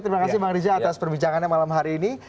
terima kasih bang riza atas perbincangannya malam hari ini